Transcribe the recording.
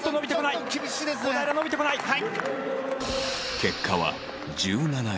結果は１７位